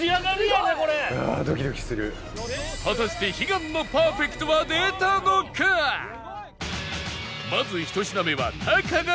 果たして悲願のパーフェクトは出たのか！？